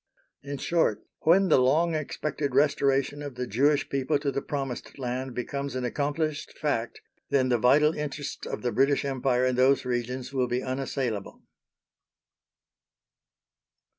In short, when the long expected Restoration of the Jewish people to the Promised Land becomes an accomplished fact, then the vital interests of the British Empire in those regions will be unassailable.